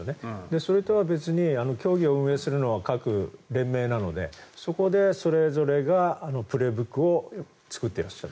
それとは別に競技を運営するのは各連盟なのでそこでそれぞれが「プレーブック」を作っていらっしゃる。